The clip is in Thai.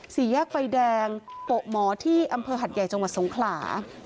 สี่แยกไฟแดงโปะหมอที่อำเภอหัดใหญ่จังหวัดสงขลา